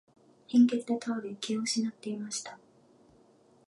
貧血で倒れ、気を失っていました。